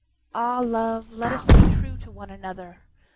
Ah, love, let us be trueTo one another!